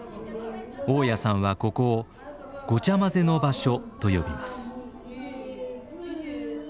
雄谷さんはここを「ごちゃまぜの場所」と呼びます。